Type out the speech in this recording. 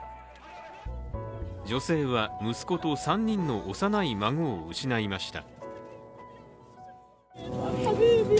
女性は息子と３人の幼い孫を失いました。